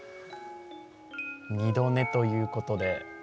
二度寝ということで。